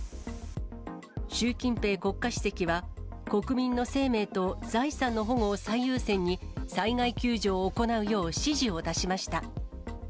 習近平国家主席は、国民の生命と財産の保護を最優先に、災害救助を行うよう指示を出しました。